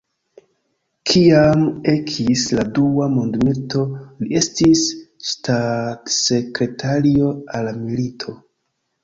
Kiam ekis la Dua mondmilito li estis ŝtatsekretario al milito.